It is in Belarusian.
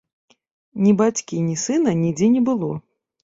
Ні бацькі, ні сына нідзе не было.